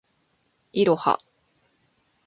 いろは